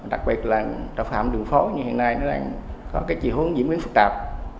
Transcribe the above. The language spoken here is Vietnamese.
đặc biệt là tội phạm đường phó như hiện nay có chỉ hướng diễn biến phức tạp